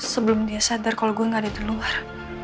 sebelum dia sadar kalau gue gak ada di luar